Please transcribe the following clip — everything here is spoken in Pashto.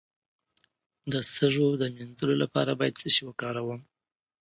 د سږو د مینځلو لپاره باید څه شی وکاروم؟